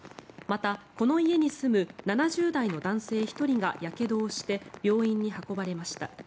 また、この家に住む７０代の男性１人がやけどをして病院に運ばれました。